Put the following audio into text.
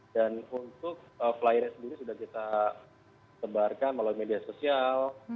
dan untuk flyer nya sendiri sudah kita tebarkan melalui media sosial